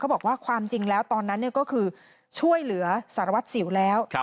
บอกว่าความจริงแล้วตอนนั้นก็คือช่วยเหลือสารวัตรสิวแล้ว